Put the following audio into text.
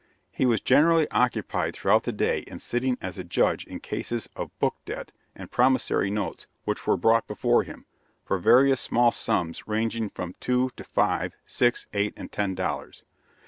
He was generally occupied throughout the day in sitting as a judge in cases of book debt and promissory notes which were brought before him, for various small sums ranging from two to five, six, eight, and ten dollars.